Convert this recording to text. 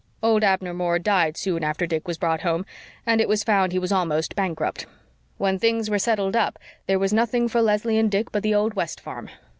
Old Abner Moore died soon after Dick was brought home and it was found he was almost bankrupt. When things were settled up there was nothing for Leslie and Dick but the old West farm.